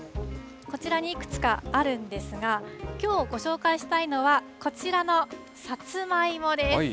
こちらにいくつかあるんですが、きょうご紹介したいのは、こちらのさつまいもです。